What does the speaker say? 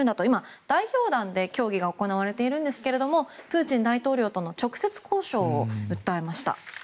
今、代表団で協議が行われているんですがプーチン大統領との直接交渉を訴えました。